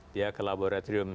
dia ke laboratorium